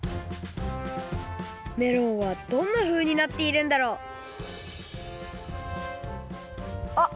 メロンはどんなふうになっているんだろうあっ